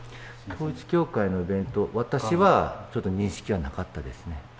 統一教会のイベント、私はちょっと認識はなかったですね。